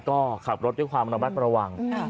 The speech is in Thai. ก็ขับรถด้วยความระมัดระวัง